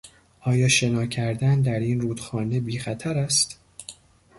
آیا شنا کردن در این رودخانه بیخطر است؟